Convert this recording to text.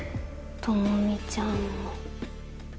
朋美ちゃんも。